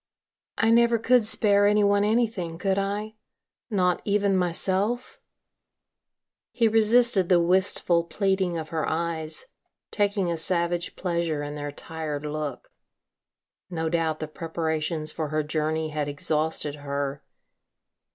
"I never could spare any one anything, could I? Not even myself?" He resisted the wistful pleading of her eyes, taking a savage pleasure in their tired look. No doubt the preparations for her journey had exhausted her.